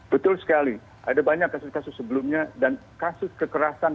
betul sekali ada banyak kasus kasus sebelumnya dan kasus kekerasan